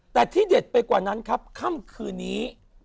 แต่ที่เด็ดไปกว่านั้นครับค่ำคืนนี้